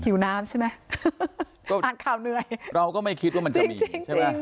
หิวน้ำใช่ไหมก็อ่านข่าวเหนื่อยเราก็ไม่คิดว่ามันจะมีใช่ไหม